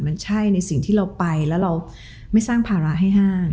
มันใช่ในสิ่งที่เราไปแล้วเราไม่สร้างภาระให้ห้าง